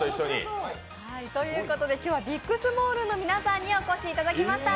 今日はビックスモールンさんの皆さんにお越しいただきました。